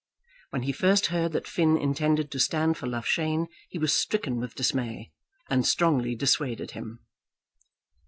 When he first heard that Finn intended to stand for Loughshane he was stricken with dismay, and strongly dissuaded him.